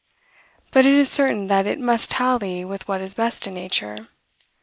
But it is certain that it must tally with what is best in nature.